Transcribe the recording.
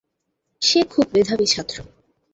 সে খুব মেধাবী ছাত্র।